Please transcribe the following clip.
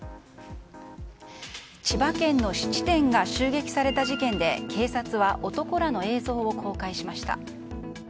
千葉県の質店が襲撃された事件で警察は男らの映像を公開しました。